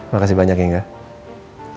makasih banyak ya nggak